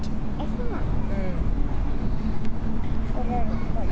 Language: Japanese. そうなの？